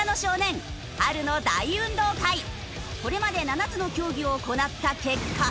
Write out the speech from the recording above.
これまで７つの競技を行った結果。